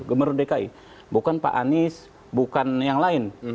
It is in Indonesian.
gubernur dki bukan pak anies bukan yang lain